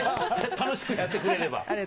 楽しくやってくれれば。